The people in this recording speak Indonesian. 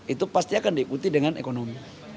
itu pasti akan diikuti dengan ekonomi